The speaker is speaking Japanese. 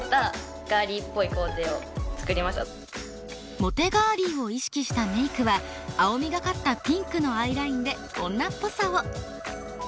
モテガーリーを意識したメイクは青みがかったピンクのアイラインで女っぽさを。